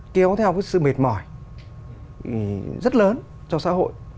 kéo theo cái sự mệt mỏi rất lớn cho xã hội